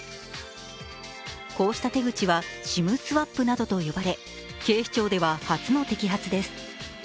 こうした手口はＳＩＭスワップなどと呼ばれ警視庁では初の摘発です。